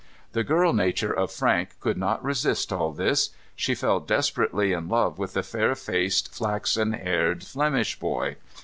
The girl nature of Frank could not resist all this. She fell desperately in love with the fair faced, flaxen haired Flemish boy.